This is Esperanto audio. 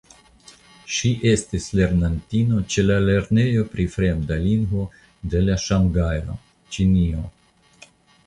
Ŝi estis lernantino ĉe la Lernejo pri Fremda Lingvo de Ŝanhajo (Ĉinio).